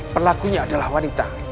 pelakunya adalah wanita